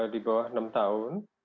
di bawah enam tahun